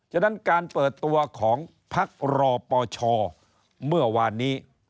ฉะนั้นการเปิดตัวของพักรอปชเมื่อวานนี้